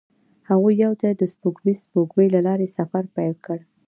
هغوی یوځای د سپوږمیز سپوږمۍ له لارې سفر پیل کړ.